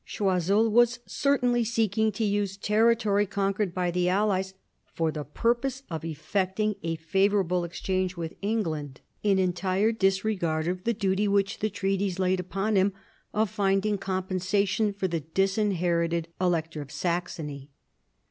Choiseul was certainly seeking to use territory conquered by the allies for the purpose of effecting a favourable exchange with England, 1760 63 THE SEVEN YEARS' WAR 177 in entire disregard of the duty which the treaties laid upon him of finding compensation for the disinherited Elector of Saxony.